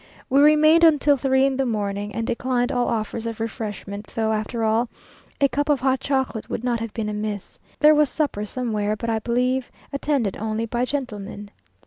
We remained until three in the morning, and declined all offers of refreshment, though, after all, a cup of hot chocolate would not have been amiss. There was supper somewhere, but I believe attended only by gentlemen.